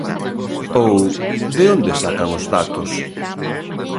Ou ¿de onde sacan os datos?